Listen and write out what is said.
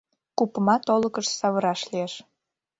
Купымат олыкыш савыраш лиеш...